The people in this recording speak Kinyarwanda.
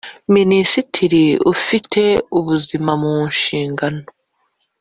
Minisitiri ufite ubuzima mu nshingano